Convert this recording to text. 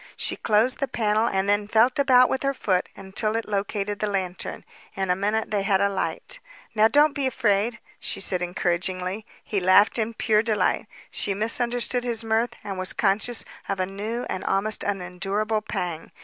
She closed the panel and then felt about with her foot until it located the lantern. In a minute they had a light. "Now, don't be afraid," she said encouragingly. He laughed in pure delight; she misunderstood his mirth and was conscious of a new and an almost unendurable pang.